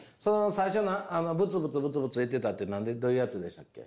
最初のブツブツブツブツ言ってたってどういうやつでしたっけ。